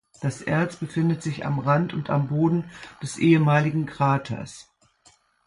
Das Erz befindet sich am Rand und am Boden des ehemaligen Kraters.